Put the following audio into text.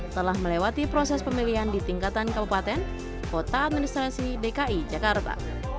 telah melewati proses pemilihan di tingkatan kabupaten kota administrasi dki jakarta